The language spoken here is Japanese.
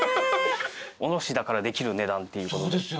卸だからできる値段っていうことで。